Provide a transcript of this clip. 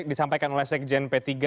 disampaikan oleh sekjen p tiga